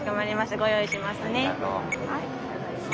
ご用意しますね。